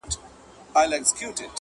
یو لرګی به یې لا هم کړ ور دننه٫